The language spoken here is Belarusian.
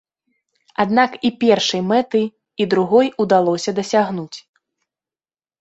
Аднак і першай мэты, і другой удалося дасягнуць.